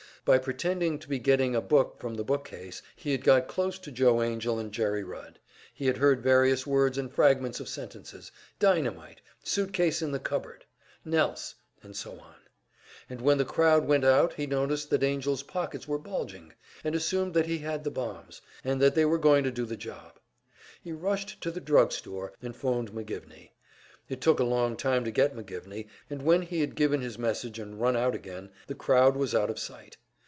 By pretending to be getting a book from the bookcase he had got close to Joe Angell and Jerry Rudd; he had heard various words and fragments of sentences, "dynamite," "suit case in the cupboard," "Nelse," and so on. And when the crowd went out he noticed that Angell's pockets were bulging, and assumed that he had the bombs, and that they were going to do the job. He rushed to the drug store and phoned McGivney. It took a long time to get McGivney, and when he had given his message and run out again, the crowd was out of sight.